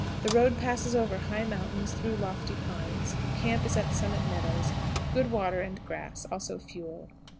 The road passes over high mountains, through lofty pine trees. Camp is at Summit Meadows. Good water and grass, also fuel.